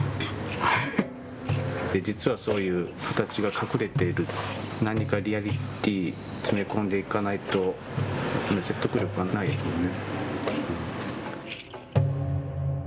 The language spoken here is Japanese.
実はそういう形が隠れている何かリアリティー詰め込んでいかないと説得力がないですもんね。